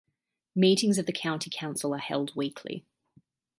Meetings of the County Council are held weekly.